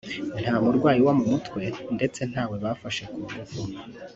nta murwayi wo mu mutwe ndetse ntawe bafashe ku ngufu